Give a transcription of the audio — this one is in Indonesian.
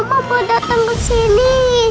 mama mau datang kesini